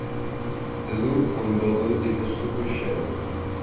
The Loop I Bubble is a supershell.